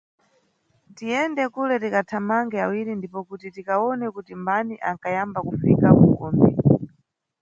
Tiyende kule tikathamange awiri ndipo kuti tikawone kuti mbani anʼkayamba kufika ku gombe.